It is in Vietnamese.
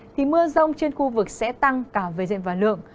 thì mưa rông trên khu vực sẽ tăng cả về diện và lượng